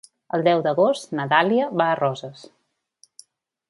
El deu d'agost na Dàlia va a Roses.